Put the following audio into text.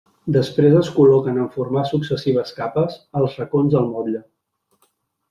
Després es col·loquen en formar successives capes, als racons del motlle.